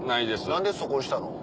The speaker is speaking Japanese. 何でそこにしたの？